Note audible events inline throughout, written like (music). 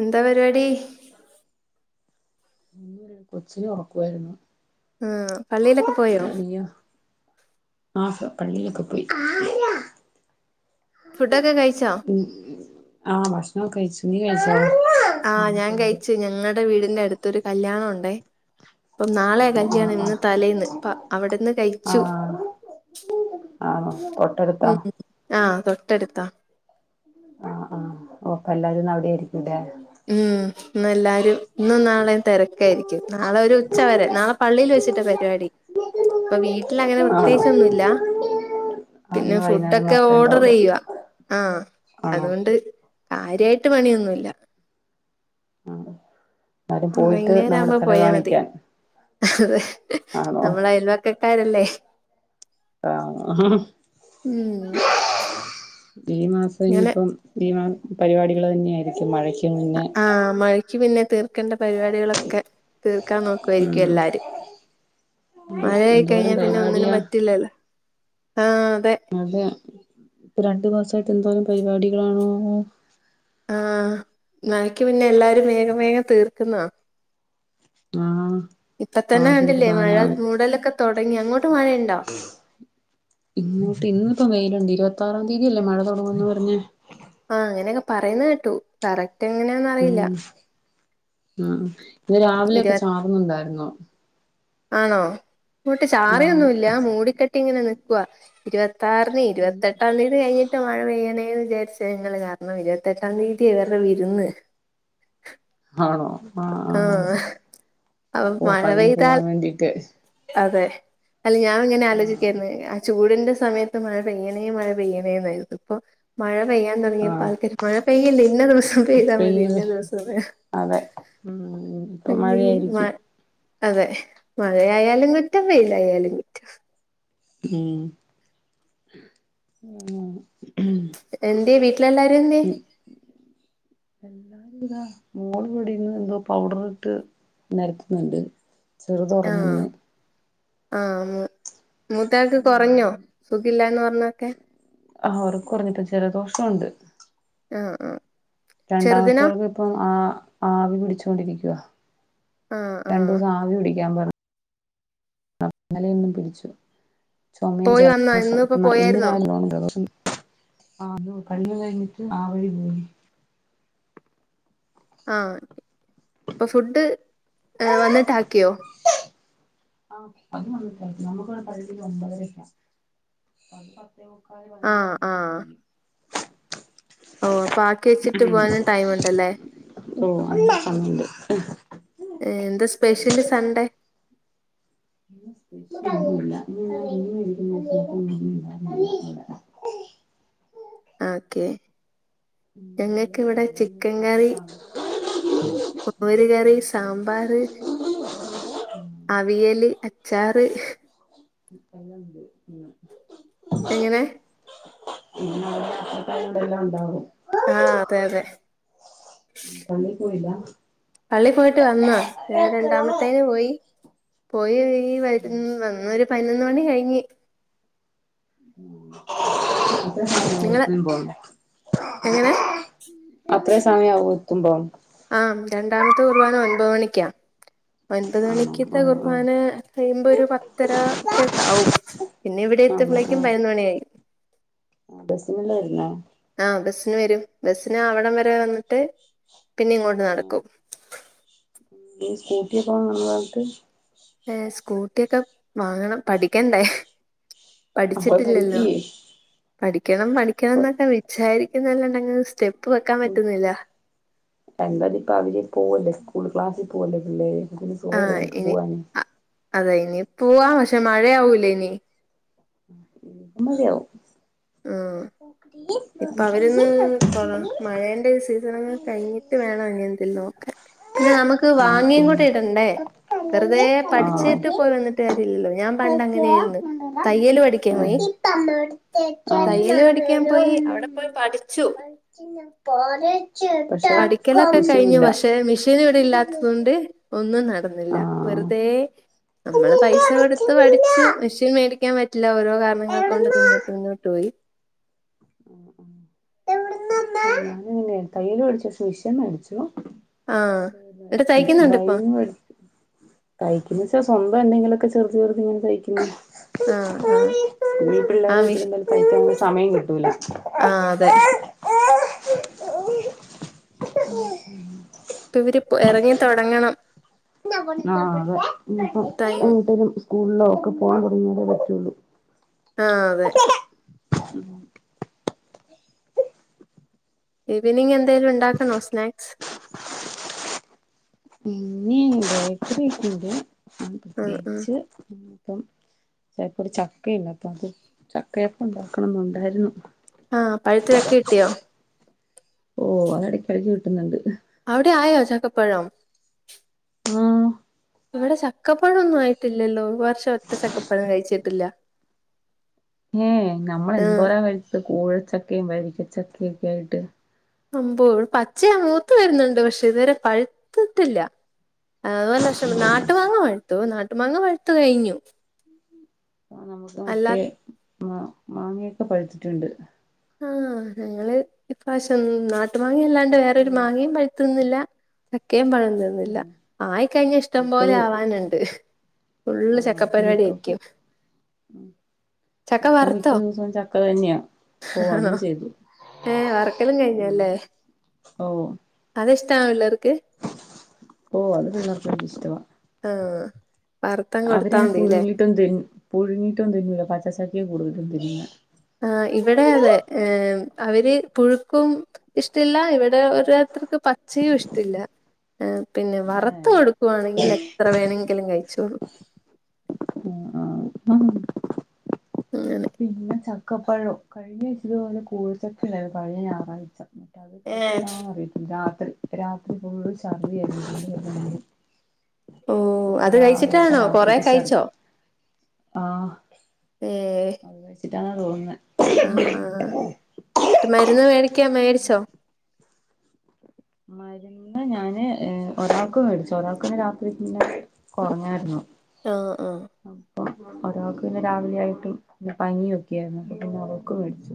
എന്താ പരിപാ ടി കൊച്ചിനെ ഒറക്കുവായിരുന്നു ആ പള്ളീലൊക്കെ പോയോ പള്ളീലൊക്കെ പോയി ഫുഡോക്കെ കഴി മ് ആ ഭക്ഷണോ കഴിച്ചു നി (unintelligible) ആ ഞാൻ കയിച്ചു ഞങ്ങടെ വീടിന്റെ അടുത്തൊരു കല്യാണം ഒ ണ്ടെ അപ്പം നാളെ ആ കല്യാണം ഇന്ന് ആ തലേന്ന് അപ്പ അവിടെന്ന് ആ കയിച്ചു ആണോ തൊട്ടടുത്താ മ് ആ ട്ടടുത്ത ആ ആ ഓ അപ്പല്ലാരുന്ന് അവിടെ ആയിരിക്കുല്ലെ ഉം ഇന്നെല്ലാരും ഇന്നും നാളേം തെരക്കായിരിക്കും നാളെ ഒരു ഉച്ച വരെ നാളെ പള്ളിൽ വെച്ചിട്ട പരിപാടി ഇപ്പൊ വീട്ടിൽ അങ്ങനെ പ്രത്യേകിച്ച് ഒന്നുമില്ല ആ പിന്നെ ഇന്ന് വൈകുന്നേരം ഫുഡൊക്കെ മാത്രമേ ഓഡറ് ഉണ്ടാവുള്ളൂ ചെയ്യുവാ ആ ആണോ അതുകൊണ്ട് കാര്യായിട്ട് പണിയൊന്നുമില്ല നാളെ വൈന്നേരാവുമ്പോ പോയാ മതി അതെ നമ്മള് അയല്പക്കരാല്ലേ ആണോ ഉം ഈ മാസം ഇങ്ങനെ ഇനിയിപ്പം ലീവാ പരിപാടികൾ തന്നെയായിരിക്കും മഴയ് ആ മഴക്ക് പിന്നെ തീർ ക്കണം പരിപാടികളൊക്കെ തീർക്കാൻ ഉം നോക്കുവായിരിക്കും എല്ലാരും മഴയായി എന്തോരം കഴിഞ്ഞാ പിന്നെ ഒന്നിനും പരിപാടിയാ പറ്റില്ലല്ലോ ആ അതെ രണ്ടു മാസായിട്ട് എന്തോരം പരിപാടികളാണോ ആ മഴക്ക് മുന്നേ എല്ലാരും വേഗം വേഗം തീർക്കുന്നതാ ആ ഇപ്പ തന്നെ ആദ്യ കണ്ടില്ലേ കുർബാന മഴ മൂടലൊക്കെ തൊടങ്ങി അങ്ങോട്ട് മഴയുണ്ടോ ഇങ്ങോട്ട് ഇന്നിപ്പോ വെയിലുണ്ട് ഇരു പത്താറാം തീയതിയല്ലേ മഴ തുടങ്ങുന്ന് പറഞ്ഞെ ആ അങ്ങനെയൊക്കെ പറയുന്നെ കേട്ടു കറ റ്റ് എങ്ങനെയാന്ന് അറിയില്ല ആ ഇന്ന് ഇരുപ രാവിലെയൊക്കെ ചാറുന്നുണ്ടായിരുന്നു. ആണോ അങ്ങോട്ട് ആഹ് ചാറിയൊന്നും ഇല്ല മൂടിക്കെട്ടി ഇങ്ങനെ നി ക്കുവാ ഇരുവ കാരണം ഇരുപത്തെട്ടാം തീയതി കഴിഞ്ഞിട്ട് മഴ പെയ്യണേ വിചാരിച്ചാ ഞങ്ങള് കാരണം ഇരുപത്തെട്ടാം തീയതി ഇവരുടെ വിരുന്ന് ആണോ ആ ആ ആഹ് അപ്പൊ അപ്പോ മഴ അതിന് പെയ്താൽ പോവാൻ വേണ്ടീട്ട് അതെ അല്ല ഞാൻ ഇങ്ങനെ ആഹ് ആലോചിക്കായിരുന്നു ആ ചൂട് ടിന്റെ സമയത്ത് മഴ പെയ്യണേ മഴ പെയ്യണെന്നായ്രുന്നു ഇപ്പൊ മഴ പെയ്യാൻ ആഹ് തൊടങ്ങിയാപ്പാക്ക് മഴ പെയ്യല്ലേ ഇന്ന ദിവസം പെയ്താ ഇപ്പ മതി ഇന്ന ഈ ദിവസം മഴ അതെ ഉം ഇപ്പൊ എന്തിന് മഴ മഴയായിരിക്കും അതെ മഴയാ മഴയായാലും കുറ്റം വെയിലായാലും കുറ്റം ഉം എന്തെ വീട്ടി ട്ടിൽ എല്ലാരും എന്ത്യാ എല്ലാരും ഇതാ മോള് ഇവിടെ ഇരുന്ന് എന്തോ പൗഡർ ഇട്ട് നേരത്തുന്നോണ്ട് ചെറുത് ഒറങ്ങുന്നു ആ ആന്ന് മം പറഞ്ഞൊക്കെ ആ അവർക്ക്‌ കൊറഞ്ഞിട്ടോ ജലദോഷമൊണ്ട് ആ ആ രണ്ടാമത്തവൾക്ക് ഇപ്പം ആ ആവി പിടിച്ചുകൊണ്ടിരിക്കുവ ആഹ് ആഹ് രണ്ടുദോസം ആവി പിടിക്കാൻ പറഞ്ഞ് ഇന്നലെയൊന്നു പിടിച്ചു ചൊമയും പോയി വന്നോ ജലദോഷം ഇന്ന് ഇപ്പോ ഇ ഇന്ന് പോയായിരുന്നോ രാവിലെയാന്ന് തോന്നുന്ന് ജലദോഷം ആന്നു പള്ളി കഴിഞ്ഞിട്ട് ആ വഴി പോയി ആ അപ്പൊ ഫുഡ് വന്നിട്ടാക്കിയോ ആ അതും വന്നിട്ടാക്കി നമ്മുക്ക് പള്ളിയില് ഒമ്പതരക്ക പത്ത് പത്തേമുക്കാല് പതിനൊന്നു ആഹ് ആകുമ്പോത്തെക്കും ആഹ് കഴിയും ഓ അപ്പൊ ആക്കി വച്ചിട്ട് ഉം പോവാനും ടൈം ഉണ്ടല്ലേ ഓ അതിന് സമയമൊണ്ട് എന്താ സ്പെഷ്യല് സൺഡേ ഇന്ന് സ്പെഷ്യൽ ഒന്നുമില്ല (unintelligible) ഓക്കേ ഉ അല്ല ന അപ്പറ കാണ (unintelligible) മോര് കറി സാമ്പാർ അവിയല് അച്ചാറ് യല്ലാം ഉണ്ട് ഉ എങ്ങനെ പിടെെല്ലാം ഉണ്ടാവും (unintelligible) ആ അതെ അതെ പള്ളി പോയില്ല പള്ളി പോയിട്ട് വന്നാ ഞാൻ രണ്ടാമത്തേന് പോയി പോയി ഈ വ വന്നു ഒരു പതിനൊന്ന് മണി കഴിഞ്ഞി ഉ സ നിങ്ങള് എങ്ങനെ അത്രയും സമയം ആവോ ത്തു മ്പം ആഹ രണ്ടാമത്തെ കുർബാന ഒൻപത് മണിക്കാ ഒൻപത് ആണോ ആ മണിക്കത്തെ ആ കുർബാന കഴിയുമ്പോ ഒരു പത്തര ഒക്കെക്കാവും പിന്നെ ഇവിടെ ആണോ എത്ത്പളേക്കും പതിനന്ന് മണിയ ആയി ആ ബസ്സിനല്ലേ വരുന്നേ ആ ബസ്സിന് വരും ബ- അവിടം വരെ വന്നിട്ട് പിന്നെ ഇങ്ങോട്ട് നടക്കും സ്കൂട്ടി പോ നന്ന പറട്ട് ഏ സ്കൂട്ട- സ്കൂട്ടിയൊക്കെ വാങ്ങണം പഠിക്കണ്ടേ ആ പഠിക്കുവേ പഠിക്ക- ഠിക്കണം പഠിക്കണം എന്നൊക്കെ വിചാരിക്കുന്നല്ല സ്റ്റെ് (unintelligible) ഉ എന്തായാലും ഇപ്പ അവര് പോവല്ലേ സ്കൂൾ ക്ലാസ് പോലെ ഉള്ളെ എ പോല്ല നിനക്ക് പോവെ അതാ ഇനി പോവാ പക്ഷെ മഴയാവൂല ഇനി ഉ ഉമ്മതിവും (unintelligible) (unintelligible) ഇപ്പ അവര്ന്ന് പൊളോ മഴേന്റെ സീസൺ കഴിഞ്ഞിട്ട് വേണം അങ്ങനെന്തേലും നോക്കാൻ പിന്നെ നമക്ക് വാങ്ങിയും കൂടി ഇടണ്ടേ വെറുതെ പഠിച്ചിട്ട് പോയി വന്നിട്ട് കാ ഇല്ല പഠിക്കാൻ പോയി തയ്യല് പഠിക്കാൻ പോയി (unintelligible) അവിടെ പോയി പഠിച്ചു ആഹ് ആഹ് ആഹ് പക്ഷെ പഠിക്കലൊക്കെ കഴിഞ്ഞു മിഷീനില്ല പക്ഷെ മിഷനിവിടെ ഇല്ലാത്തത് കൊണ്ട് ഒന്നും ന ന്നില്ല വെറുതെ നമ്മള് പൈസ കൊടുത്ത് പഠിച്ചു മെഷീ (unintelligible) ല്ല ഓരോ കാരണങ്ങൾ കൊണ്ട് ആഹ് മുന്നോട്ട് മുന്നോട്ട് പോയി ഞാനാണെ തയ്യൽ പടിച്ചു പക്ഷേ മെഷീൻ മേടിച്ചു ആഹ് ശെ എന്നിട്ട് തയ്ക്കുന്നുണ്ട് ഇപ്പൊ ഡ്രൈവിംങ്‌ പട് തയ്ക്കുന്നേച്ച സ്വന്തം പ്പന്തങ്കിലൊക്കെചെറുത് ചെറുത് ഇങ്ങനെ തയ്ക്കുന്നു ആഹ് ആഹ് ഈ പിള്ളേരെ വെച്ചന്തായാലും തയ്ക്കാൻ സമയം കിട് ട്ടൂല ആ അതെ ഇപ്പ ഇവര് എറങ്ങിത്തൊടങ്ങണം ആ അതെ ഇഞ്ഞ്പ്പം ടൈം എങ്ങോട്ടേലും സ്കൂളിലോ ഒക്കെ പോകാൻ തൊടങ്ങിയാലെ പറ്റൊള്ളൂ ആ അതെ ഈവനിങ് എന്തേലും ഉണ്ടാക്കണോ സ്നാക്സ് ഉം ഇനി ബെകൃതുണ്ട് മും ആഹ് ആഹ് പ്രത്യേകിച്ച് അപ്പം ദേ ഇപ്പോരു ചക്കയുണ്ട് അപ്പ അത് ചക്കയപ്പം ഉണ്ടാക്കണംന്ന് ഉണ്ടാരുന്നു ആ പഴുത്ത ചക്ക കിട്ടിയോ ഓ അതിടക്ക് ഇടക്ക് കിട്ടുന്നുണ്ട് അവിടെ ആയോ ചക്കപ്പഴം ആ ഇവിടെ ചക്കപ്പഴൊന്നും ആയിട്ടില്ലല്ലോ ഈ വർഷം ഒറ്റ ചക്കപ്പഴം കഴിച്ചിട്ടില്ല ഉം നമ്മള് ആഹ് എന്തോരം കഴിച്ചത് കൂഴച്ചക്ക വരിക്ക ചക്കൊക്കെ ആയിട്ട് ആമ്പോ പച്ചയാ മൂത്ത് വരുന്നുണ്ട് പക്ഷെ ഇതുവരെ പഴുത്തിട്ടില്ല അതു വല്ല ഇഷ്ടം നാട്ടു മാങ്ങ മതി നാട്ടുമാങ്ങ പഴുത്തു കഴിഞ്ഞു അ നമുക്ക് അല്ലാ മറ്റേ മാ മാങ്ങയൊക്കെ പഴുത്തിട്ടുണ്ട് ആ ഞങ്ങള് ഇപ്രാവശ്യം ന ട്ടുമാങ്ങ അല്ലാണ്ട് വേറൊരു ചക്കയൊന്നും മാങ്ങയും പഴുത്തുന്നില്ല ചക്കെ ക്കേം പഴം തിന്നില്ല ഉം ആയി കഴിഞ്ഞ ഇഷ്ടം പോലെ മിക്കത് ആവാനുണ്ട് ഫുള്ള് ആഹ് ചക്ക അത് മിക്കപ്പോ പരിപാടിയായിരിക്കും ചക്ക ഇപ്പൊ മിക്ക വറുത്തോ ദിവസവും ചക്ക തന്നെയാ ഓ ആ അതും ചെയ്തു ഏ വറുക്കലും ഉം കഴിഞ്ഞല്ലേ ഓ അതിഷ്ടാനോ എല്ലാർ ഓ അത എല്ലാർക്കും വല്യ ഇഷ്ടവാ ആ അവരയിന് പുഴുങ്ങിയിട്ടൊ തി പുഴുങ്ങിയിട്ടൊന്നും തിന്നുല്ല പ പസക്കിയ (inaudible) ആ ഇവിടെ അതെ ഏമം അവര് പുഴുക്കും ഇഷ്ടില്ല ഇവിടെ ഓരോരുത്തർക്ക് പച്ചയും ഇഷ്ടില്ല പിന്നെ വറുത്ത് ഏഹ് കൊടുക്കുവാണെങ്കിൽ എത്ര വേണങ്കിലും കഴിച്ചോളും ഉം അങ്ങനെ പിന്നെ ച ക്കപഴോ കഴിഞ്ഞ ആഴ്ച ഇത്പോലെ കൂഴച്ചക്ക ആയിരുന്നു കഴിഞ്ഞ ഞാറാഴ്ച്ച അത് ഏഹ് കഴിച്ചിട്ടണോന്നറിയത്തില്ല ത്രി രാത്രി ഫുള്ളും ശർദി ആയിരുന്നു ഓ അത് കഴിച്ചിട്ടാണോ കൊറെ കഴിച്ചോ ആ അതെ എന്നാ തോനുന്നെ ആ ആഹ് മരുന്ന് മേടി ക്കാൻ മേടിച്ചോ മരുന്ന് ഞാന് ഒരാൾക്ക് മേടിച്ചു ഒരാൾക്കന്ന് രാത്രി പിന്നെ കുറഞ്ഞായിരുന്നു ആ ആ ഒരാൾക്ക് പിന്നെ രാവിലെ ആയിട്ടും പനിയൊക്കെയായിരുന്നു അപ്പ പിന്നെ അവക്ക് മേടിച്ചു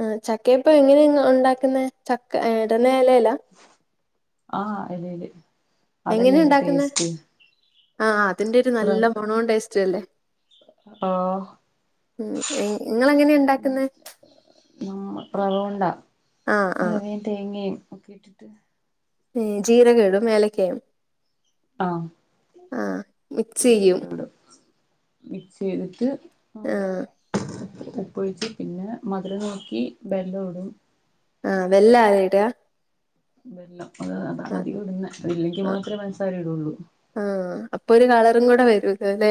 ആ ചക്ക ഇപ്പൊ എങ്ങനെ ഇന്ന് ഉണ്ടാക്കുന്നേ ചക്ക എട നലേല ആ എലെല് എങ്ങനെയ ഉണ്ടാക്കുന്ന ആ അതിന്റെ ഒരു നല്ല റവ് മണവും ടെ ല്ലേ ആഹ് ഉം എ നിങ്ങള് അങ്ങനെയ ഉണ്ടാക്കുന്നേ നമ്മ റ വവുണ്ടാ ആഹ് അവേ തേങ്ങേ ഒക്കെക് ഇട്ടിട്ട് ജീരകേടും ഏലക്കയും ആ ആഹ് മിക്സ് അത് ചെയ്യും രണ്ട കൂടും മിക്സ് ചെയ്തിട്ട് ആ ആഹ് ഉപ്പൊഴിച്ച് പിന്നെ മധുരമാക്കി ബെല്ല ഇടും ആ വെല്ല ആട വല്ല അത അത ആദ്യ ഇടുന്ന അ ഇല്ലെങ്കി ആഹ് മാത്രമേ പഞ്ചസാര ഇടുള്ളൂ അും കൂടെ വര അല്ലേ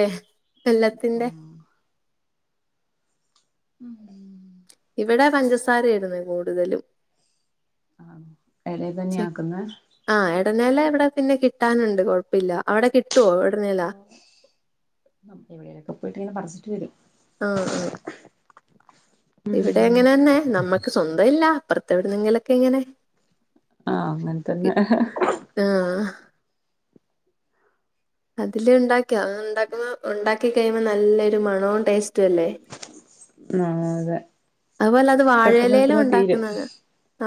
വെള്ളത്തിന്റെ ആഹ് ഉം ഇവിടെ പഞ്ചസാരയാ ഇടുന്നത് കൂടുതലും ആ ഇട തന്നെയ ആക്കുന്ന ഇടനില ഇവിടെ പിന്നെ കിട്ടാനുണ്ട് കുഴപ്പമില്ല അവിടെ കിട്ടുവോ ഇടനേല ആ എവിടെലൊക്കെ പോയിട്ട്ങ്ങെ പറച് വരും ആ ആ ഇവിടെ ഉം എങ്ങനെ തന്നെ നമ്മക്ക് സ്വന്ത ഇല്ല അപ്പർത്ത് എവിടെന്നെങ്കിലൊക്കെ ഇങ്ങനെ ആഹ് അങ്ങൻ കി തന്നെ ആഹ് അതില് ഇണ്ടാക്കിയ ഉണ്ടാക്കുമ്പം ഉണ്ടാക്കി കഴിയുമ്പോ നല്ലൊരു മണവും ടേസ് ആ അതെ അതുപോലെ അത് പെട്ടന്ന് വാഴയിലേലും പെട്ടന്ന് തീരും ഉണ്ടാക്കുന്ന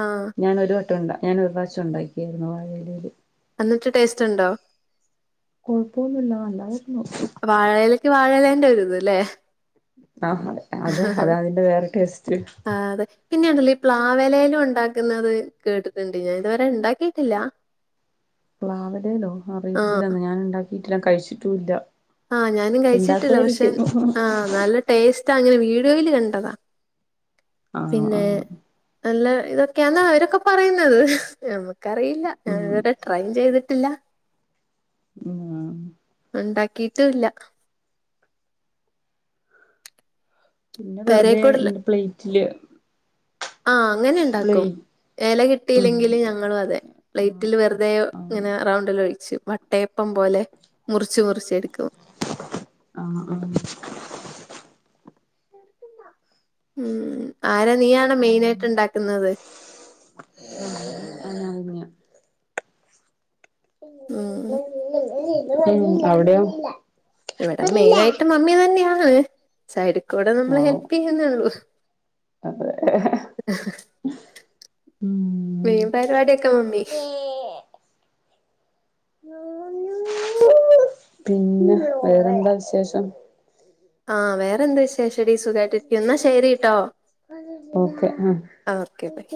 ആഹ് ഞാനൊരു വട്ടം ഉണ്ടാ ഞാൻ ഒരു പ്രാവശ്യം ഉണ്ടാ ക്കിയിരുന്നു വാഴയിലയില് ന്ന്ട്ട് ടേസ്റ്റ് ഉണ്ടോ കൊഴപ്പൊന്നുല്ല നല്ലത് വാഴയിലക്ക് വാഴയില ൻ്റെ ഒരിത് ലേ ആഹ് അതെ അത അതിന്റെ വേറെ ടേസ്റ്റ് ആ അതെ പിന്നെയുണ്ടല്ലോ ഈ പ്ലാവെലയിലും ഉണ്ടാക്കുന്നത് കേട്ടിട്ട്ണ്ട് ഞാൻ ഇതുവരെ ഇണ്ടാക്കിയിട്ടില്ല പ്ലാവെലയിലോ അറയത്തില്ല ന്ന ഞാൻ ഇണ്ടാ ക്കിട്ടുല്ല ഞാൻ കഴിച്ചിട്ടുല്ല ആഹ് ഞാനും കഴിച്ചിട്ടില്ല പക്ഷെ ആഹ് നല്ല ടേസ്റ്റ് അങ്ങനെ വീ വീഡിയോയില് കണ്ടതാ ആണോ പിന്നെ ആഹ് നല്ല ഇതൊക്കെയാന്ന് അവരൊക്കെ പറയുന്നത് നമ്മ ക്കറിയില്ല ഞാന് ഉം ഇതുവരെ ട്രൈ ചെയ്ത് ട്ടില്ല ഉം ആഹ് ഇണ്ടാക്കിട്ടൂല്ല പിന്നെ പെരേക്കൂടല് വെറുതെങ്ങനെ പ്ലേറ്റില് ആഹ് പ്ലേ അങ്ങനെണ്ടാക്കും എല ഉം കിട്ടിയില്ലെങ്കില് ഞങ്ങളും അതെ ആഹ് പ്ലേറ്റില് വെറുതെ ഇങ്ങനെ റൗണ്ടല് ഒഴിച്ച് വട്ടയപ്പം പോലെ മുറിച്ച് മുറിച്ച് എടുക്കും ആഹ് ആഹ് ഉം ആരാ നീയാണൊ മെയിനായിട്ട് ഇണ്ടാക്ക്ന്നത് ആഹ് ഉം ഉം അവിടെയോ ഇവിടെ മെയിനായിട്ട് മമ്മി തന്നെയാണ് ഏഹ് സൈഡ് കൂടെ നമ്മള് ആണോ ഹെൽപെയ്യുന്നേള്ളൂ മീൻ പരിപാടിയൊക്കെ മമ്മി പിന്നെ വേറെന്താ വിശേഷം ആ വേറെന്ത് വിശേഷ ടി സുഖായിട്ടിരി എന്ന ശരി ട്ടോ ഓക്കെ ആഹ് ആ ഓക്കെ ബൈ